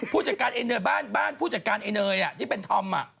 พูดจากการไอ้เนยบ้านพูดจากการไอ้เนยอะที่เป็นทอมอะ